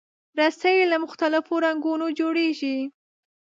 رسۍ له مختلفو رنګونو جوړېږي.